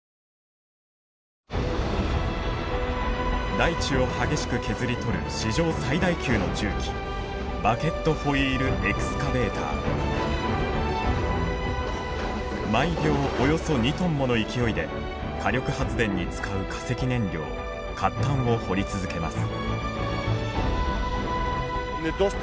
大地を激しく削り取る史上最大級の重機毎秒およそ２トンもの勢いで火力発電に使う化石燃料褐炭を掘り続けます。